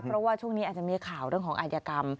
เพราะว่าช่วงนี้อาจจะมีข่าวเรื่องของอาจยกรรม